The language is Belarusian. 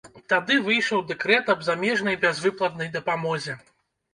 Тады выйшаў дэкрэт аб замежнай бязвыплатнай дапамозе.